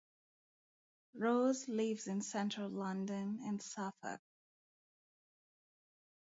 Rose lives in central London and Suffolk.